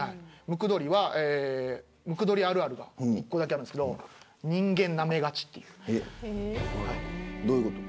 ムクドリはムクドリあるあるが１個だけあるんですけどどういうこと。